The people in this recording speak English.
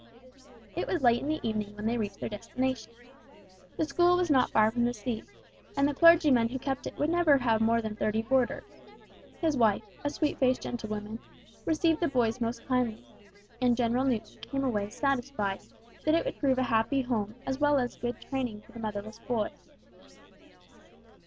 It was late in the evening when they reached their destination. The school was not far from the sea, and the clergyman who kept it would never have more than thirty boarders; his wife, a sweet faced gentlewoman, received the boys most kindly, and General Newton came away satisfied that it would prove a happy home as well as a good training for the motherless boys.